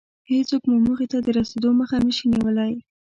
هېڅوک مو موخې ته د رسېدو مخه نشي نيولی.